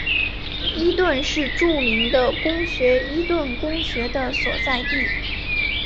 伊顿是著名的公学伊顿公学的所在地。